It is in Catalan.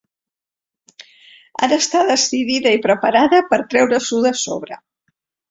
Ara està decidida i preparada per treure-s'ho de sobre.